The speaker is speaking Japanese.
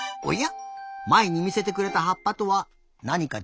まえにみせてくれたはっぱとはなにかちがうね。